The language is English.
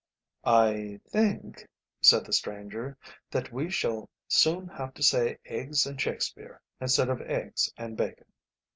"I think," said the stranger, "that we shall soon have to say eggs and Shakespeare instead of eggs and Bacon."